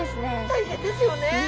大変ですよね。